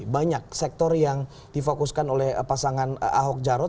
banyak sektor yang difokuskan oleh pasangan ahok jarot